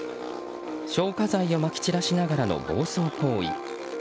消火剤をまき散らしながらの暴走行為。